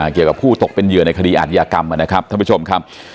เกี่ยวกับผู้ตกเป็นเหยื่อในคดีอาธิอกรรมค่ะ